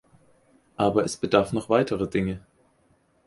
Aber es bedarf noch weiterer Dinge.